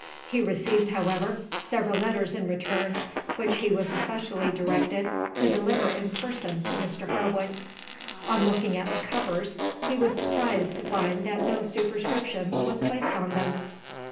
He received, however, several letters in return, which he was especially directed to deliver in person to Mr Harwood. On looking at the covers, he was surprised to find that no superscription was placed on them.